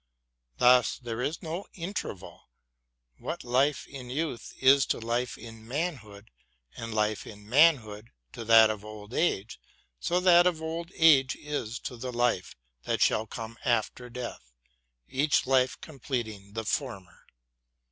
Thus there is no interval ; what life in youth is to life in manhood, and life in manhood to that of old age, so that of old age is to the life that shall come after death, each life completing the former.